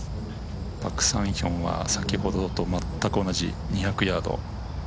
パク・サンヒョンは先ほどと全く同じ２００ヤード。